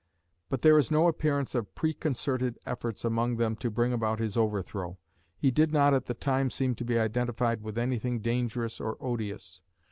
But there is no appearance of preconcerted efforts among them to bring about his overthrow. He did not at the time seem to be identified with anything dangerous or odious.